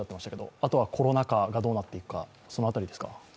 あとはコロナ禍がどうなっていくか、その辺りですか。